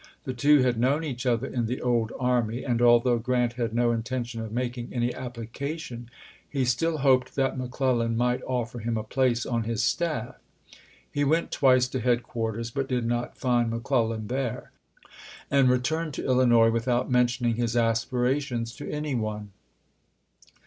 The two had known each other in the old army, and although Grant had no intention of making any application, he stiU hoped that McClel lan might offer him a place on his staff. He went twice to headquarters, but did not find McClellan there, and returned to Illinois without mentioning his aspirations to any one."